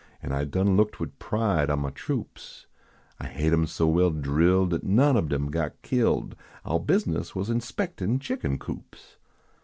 An I done looked wid pride on niah troops I haid em so well drilled Dat none ob dem got killed Ouah bizness was inspectin chicken coops.